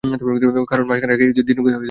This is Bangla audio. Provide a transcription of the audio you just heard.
কারণ মাস খানেক আগেই দিনুকে তিনি দেখে এসেছেন।